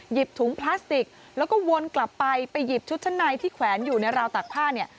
ถุงพลาสติกแล้วก็วนกลับไปไปหยิบชุดชั้นในที่แขวนอยู่ในราวตักผ้าเนี่ย